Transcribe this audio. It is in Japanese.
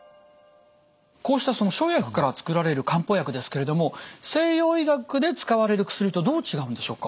こうしたその生薬から作られる漢方薬ですけれども西洋医学で使われる薬とどう違うんでしょうか？